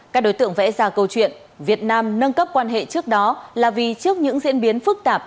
các đối tượng vẽ ra câu chuyện việt nam nâng cấp quan hệ trước đó là vì trước những diễn biến phức tạp